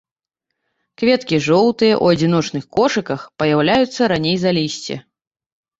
Кветкі жоўтыя ў адзіночных кошыках, паяўляюцца раней за лісце.